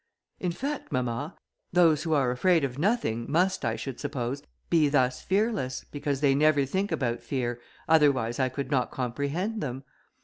"In fact, mamma, those who are afraid of nothing, must, I should suppose, be thus fearless, because they never think about fear, otherwise I could not comprehend them."